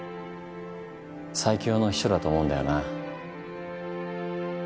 最強の秘書だと思うんだよな。